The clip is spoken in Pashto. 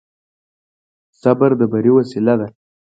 صبر د بري وسيله ده.